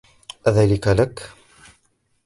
أذلك لك ؟